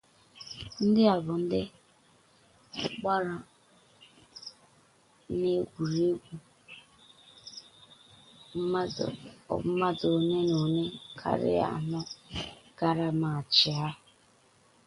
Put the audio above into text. The following are those who played in at least one of the four matches.